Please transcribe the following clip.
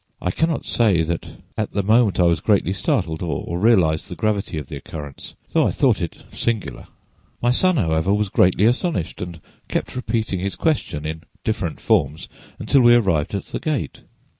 I cannot say that at the moment I was greatly startled, or realized the gravity of the occurrence, though I thought it singular. My son, however, was greatly astonished and kept repeating his question in different forms until we arrived at the gate.